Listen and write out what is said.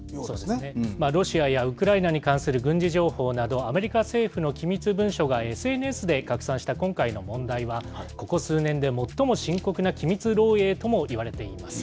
そうですね、ロシアやウクライナに関する軍事情報など、アメリカ政府の機密文書がＳＮＳで拡散した今回の問題は、ここ数年で最も深刻な機密漏えいともいわれています。